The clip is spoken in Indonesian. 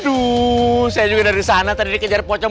aduh saya juga dari sana tadi dikejar pocong